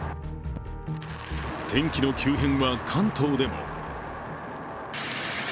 天気の急変は関東でも。